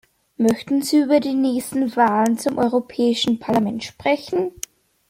Möchten Sie über die nächsten Wahlen zum Europäischen Parlament sprechen?